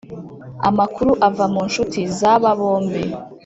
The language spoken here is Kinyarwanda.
amakuru ava munshuti zaaba bombi